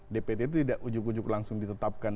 dpt itu tidak ujug ujug langsung ditetapkan